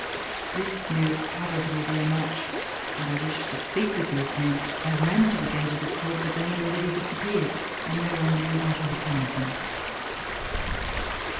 This news troubled me very much, and I wished to speak with these men. I ran to the gate of the court, but they had already disappeared, and no one knew what had become of them.